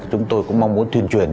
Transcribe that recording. chúng tôi cũng mong muốn tuyên truyền